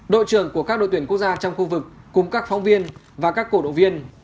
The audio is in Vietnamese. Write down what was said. đội trưởng của các đội tuyển quốc gia trong khu vực cùng các phóng viên và các cổ động viên